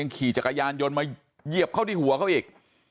ขี่จักรยานยนต์มาเหยียบเข้าที่หัวเขาอีก